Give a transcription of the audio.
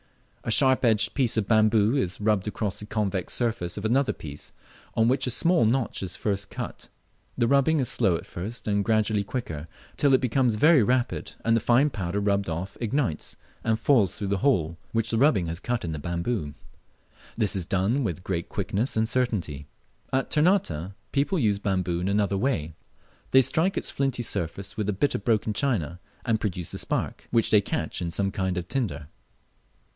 A sharp edged piece of bamboo is rubbed across the convex surface of another piece, on which a small notch is first cut. The rubbing is slow at first and gradually quicker, till it becomes very rapid, and the fine powder rubbed off ignites and falls through the hole which the rubbing has cut in the bamboo. This is done with great quickness and certainty. The Ternate, people use bamboo in another way. They strike its flinty surface with a bit of broken china, and produce a spark, which they catch in some kind of tinder.